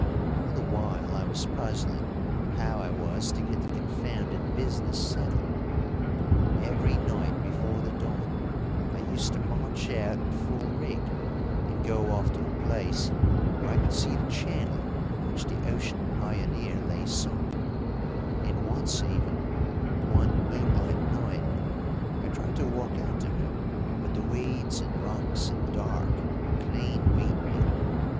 All the while I was puzzling how I was to get the confounded business settled. Every night before the dawn I used to march out in full rig and go off to a place where I could see the channel in which the Ocean Pioneer lay sunk, and once even, one moonlight night, I tried to walk out to her, but the weeds and rocks and dark clean beat me.